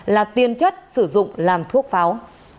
là tiên chất sử dụng làm thuốc pháo